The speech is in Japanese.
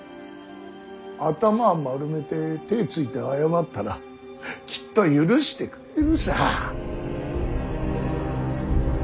頭丸めて手ついて謝ったらきっと許してくれるさ。